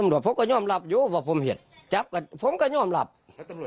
แล้วเราไม่กลัวว่าสำหรับแก